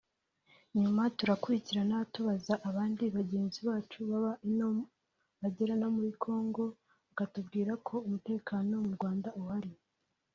nyuma turakurikirana tubaza abandi bagenzi bacu baba ino bagera no muri Congo bakatubwira ko umutekano mu Rwanda uhari